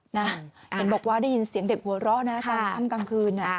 เห็นบอกว่าได้ยินเสียงเด็กหัวเราะนะกลางค่ำกลางคืน